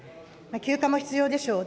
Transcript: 休暇も必要でしょう。